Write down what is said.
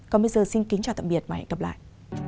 còn bây giờ xin kính chào tạm biệt và hẹn gặp lại